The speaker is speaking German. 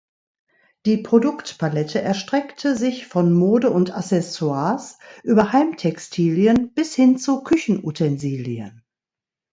Die Produktpalette erstreckte sich von Mode und Accessoires über Heimtextilien bis hin zu Küchenutensilien.